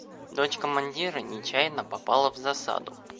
Дочь командира нечаянно попала в засаду.